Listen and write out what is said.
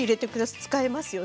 使えますよね。